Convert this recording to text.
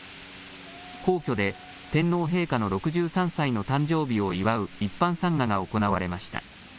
皇居で天皇陛下の６３歳の誕生日を祝う一般参賀が行われました。